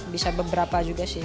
bisa beberapa juga sih